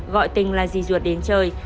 gọi tình là dì ruột đến chơi